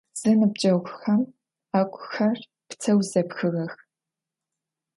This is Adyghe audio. Зэныбджэгъухэм агухэр пытэу зэпхыгъэх.